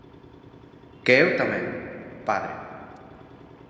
Que eu tamén, padre.